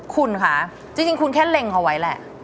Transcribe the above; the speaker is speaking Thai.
คุณคะจริงคุณแค่เล็งเอาไว้แหละ